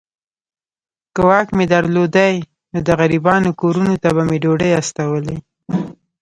که واک مي درلودای نو د غریبانو کورونو ته به مي ډوډۍ استولې.